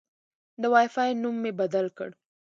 د وای فای نوم مې بدل کړ.